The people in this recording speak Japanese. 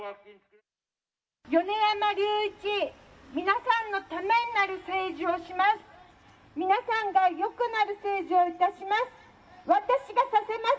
米山隆一、皆さんのためになる政治をします。